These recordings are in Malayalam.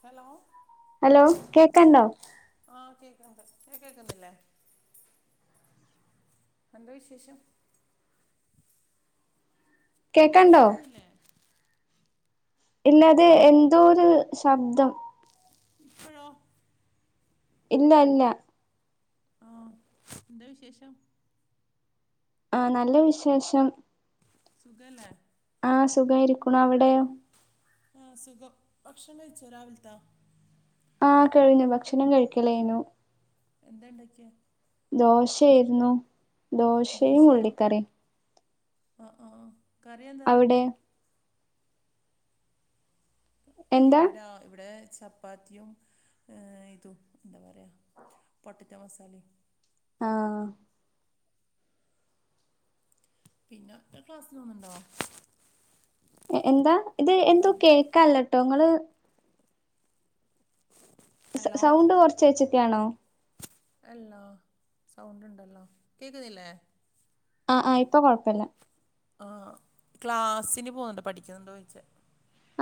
ഹലോ ഹലോ കേക്കണ്ടോ? ആഹ് കേക്കണ്ട് കേ കേക്കുന്നില്ലേ? എന്താ വിശേഷം? കേക്കണ്ടോ? കേൾക്കുന്നില്ലേ ഇല്ല അത് എന്തോ ഒരു ശബ്ദം. ഇപ്പഴോ? ഇല്ല ഇല്ല ആ എന്താ വിശേഷം? ആഹ് നല്ല വിശേഷം. സുഖല്ലേ? ആഹ് സുഖായി ഇരിക്ണു അവിടെയൊ? ആഹ് സുഖം. ഭക്ഷണം കഴിച്ചോ രാവിൽത്താ? ആഹ് കഴിഞ്ഞു ഭക്ഷണം കഴിക്കല് കഴിഞ്ഞു. എന്താ ഇണ്ടാക്ക്യേ? ദോശയായിരുന്നു. ദോശയും ദോശയാ ഉള്ളിക്കറിയും ആഹ് ആഹ് കറിയെന്താ? അവിടെ ഐ എന്താ ഇവിടാ ഇവിടെ ചപ്പാത്തിയും ഇതും എന്താ പറയാ പൊട്ടറ്റൊ മസാലയും ആഹ് പിന്ന ങ്ങ ക്ലാസ്സിനോന്ന്ണ്ടോ? എന്താ ഇത് എന്തോ കേക്കാല്ലട്ടോ ഇങ്ങള് സൗ ഹലോ സൗണ്ട് കൊർച്ചേച്ച്ക്കാണോ? അല്ലാ സൗണ്ട് ഇണ്ടല്ലോ. കേക്കുന്നില്ലേ? ആഹ് ആഹ് ഇപ്പൊ കുഴപ്പല്ല. ആഹ് ക്ലാസ്സിന് പോന്നുണ്ട് പഠിക്കുന്നുണ്ടോ ചോയിചെ?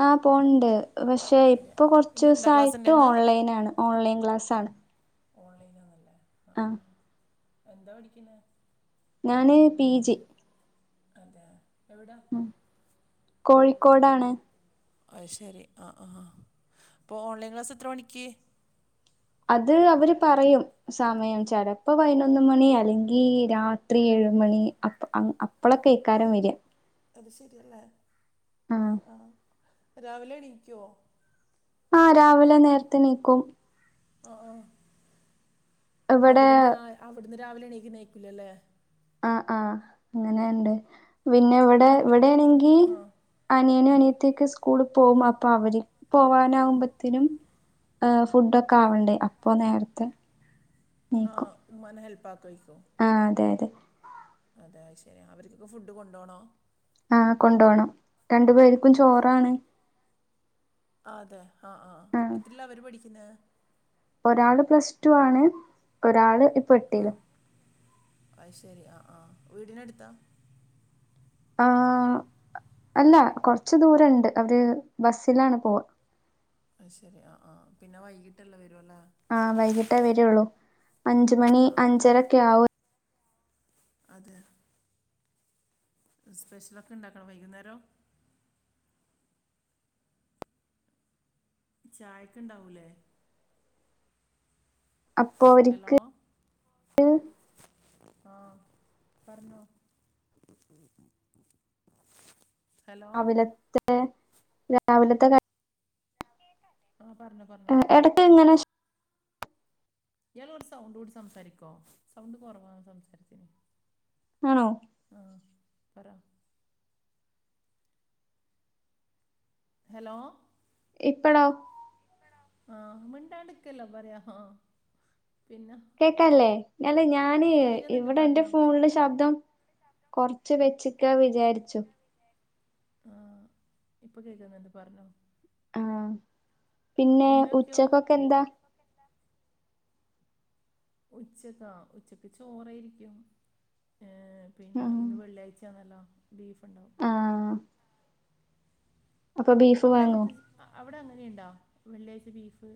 ആ പോണ്ട് പക്ഷേ അതെ ഇപ്പൊ ഇന്നുണ്ടോ ക്ലാസ് ഉണ്ട് കുറച്ചസായിട്ട് ഇന്ന് ഓൺലൈൻ ആണ് ഓൺലൈൻ ക്ലാസ്സാണ്. ഓൺലൈനാന്നല്ലേ ആ ആഹ. ആ എന്താ പഠിക്ണ്. ഞാൻ പി ജി. അതെ എവിടാ? ഉം കോഴിക്കോടാണ്. അ ശരി ആ ആ ആ അപ്പോൾ ഓൺലൈൻ ക്ലാസ്സ് എത്ര മണിക്ക്. അത് അവര് പറയും. സമയം ചിലപ്പോ പൈനൊന്ന് മണി അല്ലെങ്കി രാത്രി ഏഴ്‌മണി അ. അപ്പളൊക്കെ എയ്ക്കാരം വര. അത് ശരിയല്ലേ ആ ആഹ് ആ രാവിലെ എണീകോ? ആഹ രാവിലെ നേരത്തെ ണീക്കും. അ അ ഇവിടെ അവിടുന്ന് അവിടുന്ന് രാവിലെ എണീക്ക് നയിക്കലല്ലേ? ആഹ ആഹ അങ്ങനെയ ഉണ്ട്. പിന്നെ ഇവിടെ അവിടെ എവിടെയാണെങ്കിൽ ആ അനിയന അനിയത്തേകെ സ്കൂൾ സ്കൂൾ പോകും അപ്പൊ അവര് പോവാനാകുമ്പോതിനും. അ ഹ് ഫുഡ് ഒക്കെ ആവണ്ടേ അപ്പോ നേരത്തെ ആ ഉമ്മാനെ ഹെൽപ്പ ആകോയ്കും. ആ അതെ അതെ. അതെ ശരി അവർക്കൊക്കെ ഫുഡ് കൊണ്ടുോണോ? ആ കൊണ്ടോണം രണ്ടു പേർക്കും ഓ അത് ശരി ചോറാണ്. ആ അതെ ആഹ ആഹ ആഹ് എത്രിലാ അവര് പഠിക്കുന്നെ? ഒരാള് പ്ലസ് ടു ആണ് ഒരാള് ആ എട്ടിലും അ ശരി ആ ആഹ് വീടിന അടുത്താ? ആ അല്ല കുറച്ച് ദൂരംണ്ട് അവര് ബസ്സിലാണ് പോവാ. ആ ശരി ആ ആ പിന്നെ വൈകിട്ടല്ല വരുല്ലെ? ആ വൈകിട്ടേ വരുള്ളൂ അഞ്ചു മണി ആ ആ അഞ്ചരക്കെ ആവും. അതെ. സ്പെഷ്യലൊക്കെ ഉണ്ടാക്കണോ വൈകുന്നേരം. ചായക്കണ്ടാവൂല്ലേ? അപ്പോ ഹലോ ആ പറഞ്ഞോ. ഹലോ രാവിലത്തെ രാവിലത്തെ ക ആഹ പറഞ്ഞോ പറഞ്ഞോ. എടക്ക് ഇങ്ങനെ ഇയാൾകുറച്ചു സൗണ്ട് കൂട്ടി സംസാരിക്കോ സൗണ്ട് കുറവാ സംസാരിചീനെ. ആണോ? ആ പറാ. ഹലോ? ഇപ്പോഴോ? ആഹ് മിണ്ടാട്ടിക്കല്ല പറയാ ആ.. പിന്നെ കേക്കല്ലേ! ഞാന്! കേൾക്കുന്നുണ്ട് ഇവിടെ എന്റെ പറഞ്ഞോ ഫോണില് ശബ്ദം കൊറച്ച് വെച്ചിക്ക വിചാരിച്ചു ആഹ! ഇപ്പൊ കേക്കുന്നുണ്ട് പറഞ്ഞോ. ആഹ് പിന്നെ ഉമ്മയൊക്കെയോ ഉച്ചക്കൊക്കെ എന്താ? ഉച്ചക്കാ ഉച്ചക്ക് ചോറായിരിക്കും ഏ പിന്നെ ആഹ് ഇന്ന് വെള്ളിയാഴ്ചആണല്ലോ ബീഫ് ഉണ്ടാവും ആഹ് അപ്പൊ ബീഫ് അവിടെ വാങ്ങോ അങ്ങനത്തെ അവിടെ അങ്ങനെയുണ്ടോ വെള്ളിയാഴ്ച ബീഫ്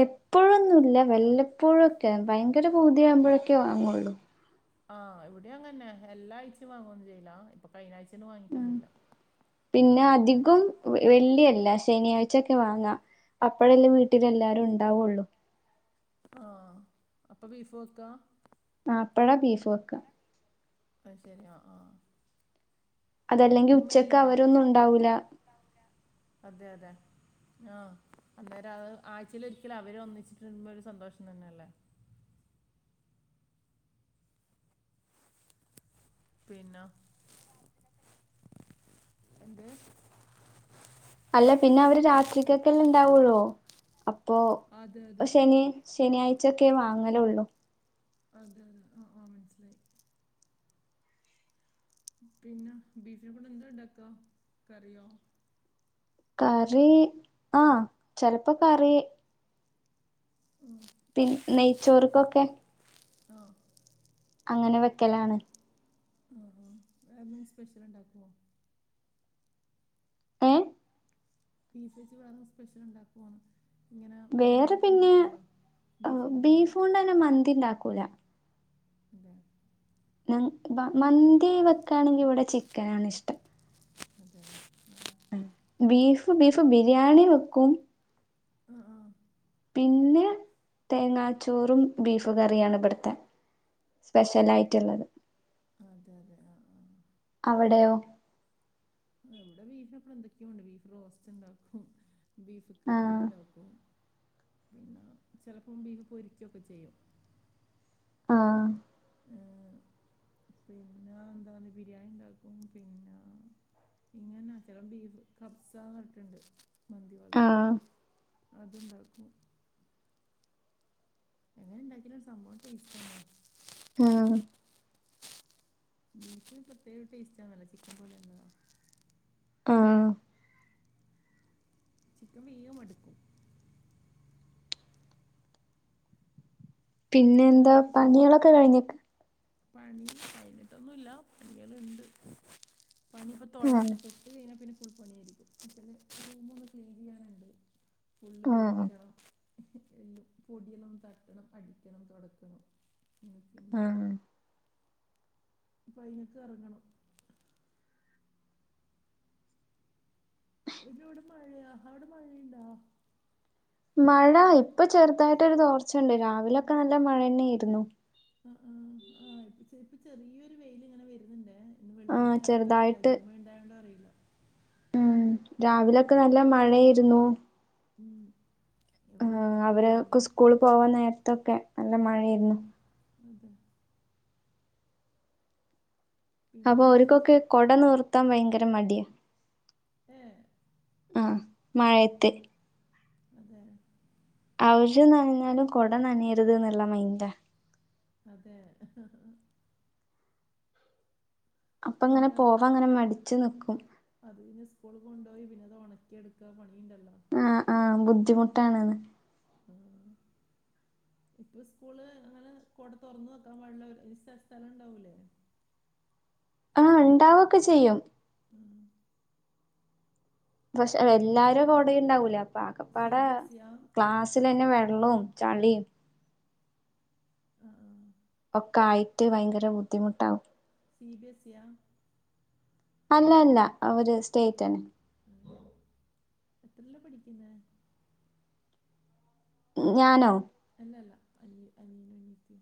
എപ്പോഴൊന്നുല്ല വല്ലപ്പോഴൊക്കെ ഭയങ്കര പൂതിയാവുമ്പോഴൊക്കെ വാങ്ങുള്ളൂ ആഹ് ഇവിടെയും അങ്ങനന്നെ എല്ലാഴ്ച വാങ്ങുവൊന്നന്ന് ചെയ്യില്ല ഇപ്പൊ കഴിഞ്ഞ ആഴ്ച ഒന്ന് വാങ്ങിയിട്ടൊന്നുമില്ല പിന്നാധികം വെള്ളിയല്ല ശനിയാഴ്ചൊക്കെ വാങ്ങാ അപ്പഴല്ലേ വീട്ടിലെല്ലാരും ണ്ടാവുള്ളൂ. ആഹ് അപ്പൊ ബീഫോക്കാ ആ അപ്പഴാ ബീഫ് വെക്കാ. അയ് ശരി! ആഹ്.. ആഹ്.. അതല്ലെങ്കി ഉച്ചക്കവരൊന്നും ഉണ്ടാവൂല്ല അതെയതെ! ആഹ്! അന്നേരം അത് ആഴ്ചേലൊരിക്കല് അവര് ഒന്നിച്ചിട്ട്മ്പോ ഒരു സന്തോഷം തന്നെയല്ലേ! പിന്ന എന്തെ? അല്ല പിന്നവര് രാത്രിക്കെക്കെല്ലെണ്ടാവുള്ളൂ! അപ്പോ അതെ അതെ ശനി ആ ശനിയാഴ്ചൊക്കെ വാങ്ങലുള്ളൂ! അതെ! ആഹ് ആഹ്.... മനസിലായി. പിന്നെ ബീഫിനെ കൊണ്ടെന്താണ്ടാക്കാ കറിയോ? കറി ആ ചെലപ്പോ കറി. മ്മ് പിൻ നെയ്ച്ചോർക്കൊക്കെ ആഹ്! അങ്ങനെ വെക്കലാണ്. ഉം ഉം വേറെന്തേലും സ്പെഷ്യല്ണ്ടാക്കോ? ഏ ബീഫെച്ച് വേറെ സ്പെഷ്യല്ണ്ടാക്കുവോന്നു? ഇങ്ങനെ മന്തി വേറെ ഒക്കെ പിന്നെ ഉണ്ടാക്കല്ണ്ടോ ബീഫ് മന്തി മന്തി ഉണ്ടാക്കൂല അതെ! ഞ മന്തി വെക്കാണെങ്കി ഇവിടെ ചിക്കനാണിഷ്ടം! അതെ ബീഫ് ബീഫ് ബിരിയാണി വെക്കും. ആഹ്! ആഹ് പിന്നെ തേങ്ങാച്ചോറും ബീഫ് കറിയാണ് ഇവിടുത്തെ- സ്പെഷലായിട്ടുള്ള അതെയതെ! ആഹ്... ആഹ്! അവിടെയോ? ഇവിടെ ബീഫ് എപ്പളു എന്തെക്കോണ്ട് ബീഫ് റോസ്റ്റ് ണ്ടാക്കും ബീഫ് ആഹ് കറിണ്ടാക്കും. പിന്നെ ചെലപ്പം ബീഫ് പൊരിക്കൊക്കെ ചെയ്യും. ആഹ്! പിന്ന എന്താന്ന് ബിരിയാണിണ്ടാക്കും പിന്നെ- ഇങ്ങന ചെലോ ബീഫ് കബ്സാ പറട്ടുണ്ട് മന്തി പോലത്തെ ആഹ് അതുണ്ടാക്കും എങ്ങനെണ്ടാക്കിയാലു സംഭവം ടേസ്റ്റാ ആഹ് ബീഫിന് പ്രത്യേക ടേസ്റ്റ് ആണല്ല ചിക്കൻ പോലെയല്ല ആഹ് ചിക്കൻ വിയ്യ മടുക്കു പിന്നെയെന്താ വേറെന്താ വിശേഷം പണികളൊക്കെ കഴിഞ്ഞോ പണി കഴിട്ടൊന്നുല്ല പണികള്ണ്ട് പണി ഇപ്പ തുടങ്ങീട്ട ആഹ് കഴിഞ്ഞാ പിന്നെ ഫുൾ പണിയാരിക്കും റൂമൊന്ന് ക്ലീന്യ്യാനുണ്ട് ഫുള്ള് ആഹ് വെലിക്കണം പൊടിയെല്ലൊന്ന് തട്ടണം അടിക്കണം തൊടക്കണം ക്കെണ്ട് ആഹ് പൈനക്ക് എറങ്ങണം ടിവിടെ മഴയാ അവിടെ മഴയുണ്ടോ മഴ ഇപ്പൊ ചെറുതായിട്ടൊരു തോർച്ചണ്ട് രാവിലൊക്കെ നല്ല മഴന്നെയായിരുന്നു. ആഹ് ആഹ് ആഹ് ഇപ്പൊ ചെ ഇപ്പൊ ചെറിയൊരു വെയിൽ ഇങ്ങനെ വരുന്നുണ്ടേ ഇന്ന് ആഹ് വെള്ളിയാഴ്ച ആയോണ്ടോ അറിയില്ല ചെറുതായിട്ട് ജുമുഅ ഇണ്ടായോണ്ടോ അറിയില്ല. ആഹ് രാവിലൊക്കെ നല്ല മഴായിരുന്നു. ഉം എവിടെ ആഹ് രാവിലെ നല്ല മഴ അവരൊക്കെ വരും സ്കൂൾ പോവാൻ നേരത്തൊക്കെ നല്ല മഴയായിരുന്നു. അതെ അപ്പൊ പിന്നെന്താ വിശേഷം ഓര്ക്കൊക്കെ കൊട നിവർത്താൻ ഭയങ്കര മടിയാ ഏഹ് ആഹ് മഴയത്ത് അതെ അവശ്യം നനഞ്ഞാലും കുട നനയരുത്ന്നുള്ള മൈന്റാ അതെ അപ്പ അങ്ങനെ പിന്നെ പോവാ അങ്ങനെ മടിച്ചു നിക്കും അത് പിന്നെ സ്കൂൾ കൊണ്ടുപോയി പിന്നെ അത് ഒണക്കി എടുക്കാ പണിയുണ്ടല്ലോ ആഹ് ആഹ് ബുദ്ധിമുട്ടാണ്ന്ന് ആഹ് ഇപ്പൊ സ്കൂള് അങ്ങനെ കൊട തുറന്ന് വെക്കാൻ പാട്ള്ള ഒരു സ്ഥ സ്ഥലം ഉണ്ടാവൂലെ ആഹ് ഉണ്ടാവൊക്കെ ചെയ്യും ഉം പക്ഷെ എല്ലാരും കൊടയും ഇണ്ടാവൂലെ അപ്പ സി ആകപ്പാടെ ബി എസ് സിയാ ക്ലാസ് സ്സിലെന്നെ വെള്ളോം ചളീം ആഹ് ആഹ് ഒക്കെ ആയിട്ട് ഭയങ്കര ബുദ്ധിമുട്ടാവും സി ബി എസി യാ അല്ല അല്ല അവര് സ്റ്റേറ്റ് അന്നെ ആഹ് എത്രയിലാ പഠിക്കുന്നേ? ഞാനോ? അല്ല അല്ല അഞ്ഞ് അനിയനും അനിയത്തിയും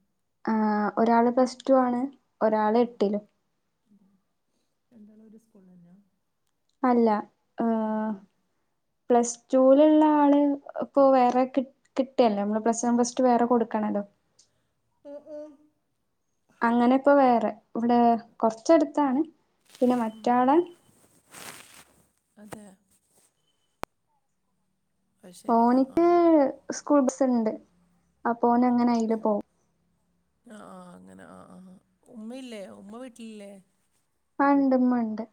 ആഹ് ഒരാള് പ്ലസ് ടു ആണ് ഒരാള് എട്ടിലും അതെ രണ്ടാളും ഒരു സ്കൂൾ തന്നാ? അല്ല ഏ പ്ലസ് ടു ലുള്ള ആള് ഇപ്പൊ വേറെ കി കിട്ടിയല്ലേ നമ്മള് പ്ലസ് വൺ പ്ലസ് റ്റൂ വേറെ കൊടുക്കണല്ലോ ഓ ഓ അങ്ങനെ ഇപ്പൊ വേറെ ഇവിടെ കുറച്ചടുത്താണ് പിന്നെ മറ്റയാളെ അതെ അത് ശരി ആ ആ പ്പോനിക്ക് സ്കൂൾ ബസ്സ്‌ണ്ട്. അപ്പോനങ്ങനെ അയില് പോവും ആഹ് ആഹ് അങ്ങനെ ആഹ് ആഹ് ഉമ്മയില്ലേ ഉമ്മ വീട്ടിലില്ലേ? പ്പാണ്ട് ഉമ്മണ്ട്.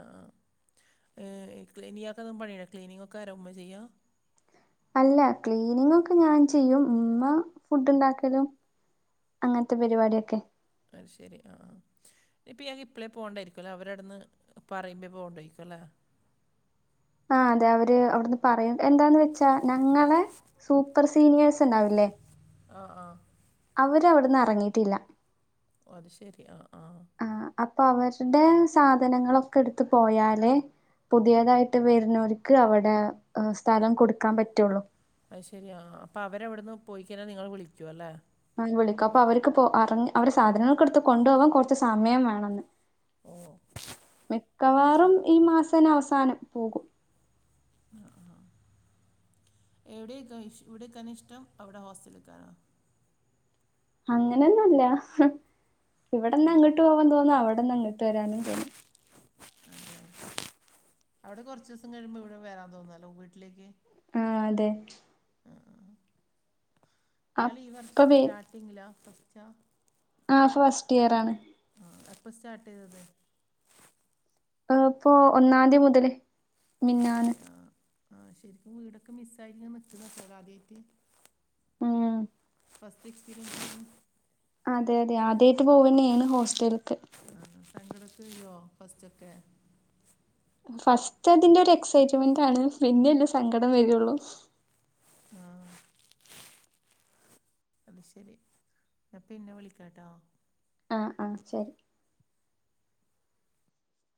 ആഹ് [unintelligible] ആകുമ്പഴേ ക്ലീനിങ് ഒക്കെ ആരാ ഉമ്മയ ചെയ്യാ അല്ല ക്ലീനിങ് ഒക്കെ ഞാൻ ചെയ്യും ഉമ്മ ഫുഡ് ഉണ്ടാക്കലും. അങ്ങനത്തെ പരിപാടിയൊക്കെ. അത് ശരി ആ ആ. ഇപ്പ യാ ഇപ്പോളേ പോണ്ടായിരിക്കുവല്ലോ അവര അവിടുന്ന് പറയുമ്പ പോകണ്ടയിരിക്കുവല്ലേ ആഹ അതെ അവര് അവിടുന്ന് പറയും എന്താന്ന് വെച്ചാ ഞങ്ങളെ സൂപ്പർ സീനിയേഴ്സ് ഉണ്ടാവൂില്ലേ ആഹ് ആഹ് അവര് അവ്ട്ന്ന് എറങ്ങിയിട്ടില്ല. ഓ അത് ശരി ആ ആഹ. അപ്പൊ അവരുടെ സാധനങ്ങളൊക്കെ എടുത്ത് പോയാലേ പുതിയതായിട്ട് വരുന്നോര്ക്ക് അവിടെ സ്ഥലം കൊടുക്കാൻ പറ്റോളു. അത് ശരി അപ്പോ അവരെവിടുന്ന് പോയി കഴിഞ്ഞാൽ നിങ്ങൾ വിളിക്കും അല്ലേ. [unintelligible] അപ്പൊ അവര്ക്ക് സാധനങ്ങൾക്കടുത്ത് കൊണ്ടുപോകാൻ കുറച്ച് സമയം വേണം എന്ന് ഓ അത് മിക്കവാറും ശരി ഈ മാസനെ അവസാനം പോകും. ആ ആ ആ എവിടെ ക ഇഷ് ഇവിടെക്കാനോ ഇഷ്ടം അവിടെ ഹോസ്റ്റലക്കണോ? അങ്ങനെ ഒന്നും ഇല്ല ഇവിടെന്ന ഇല്ല അങ്ങോട്ട് പോവാൻ തോന്നും അവിടെന്ന ഇങ്ങട്ട് വരാനും തോന്നും. അവിടെ കുറച്ച ദിവസം കഴിയുമ്പോ ഇവിടെ വരാൻ തോന്നല്ലോ വീട്ടിലേക്ക്. ആ അതെ. ആ ആ ആ ഇയാളി ഈ വർ അപ്പൊ വേ സ്റ്റാർട്ടിങ്ങിലാ ഫസ്റ്റ്ാ ആഇപ്പോ ഫസ്റ്റ് ഇയർ ആണ്. അ എപ്പോ സ്റ്റാർട്ട് ചെയ്തത്? ഇപ്പോ ഒന്നാതി മുതല് മിഞാന്ന് ആഹ് ശരിക്കും വീടൊക്കെ മിസ് ആയിരിട്ട് നിക്ക [unintelligible] ആദ്യയിട്ട്. ഉം ഫാസ്റ്റ് എക്സ്പീരിയൻസ്സ? അതെ അതെ ആദ്യയിട്ട് പോവനെണ് ഹോസ്റ്റല് ക്ക്. സങ്കടൊക്കെ വരോ ഫസ്റ്റ്ഓക്കെ. ഫസ്റ്റ് അതിന്റെ ഒരു എക്സൈറ്റ്മെന്റ്ണ് പിന്നെല്ലേ സങ്കടം വരുള്ളു. ആ അത് ശെരി ഞാൻ പിന്നെ വിളിക്കാട്ടോ. ആഹ് ആഹ് ശരി.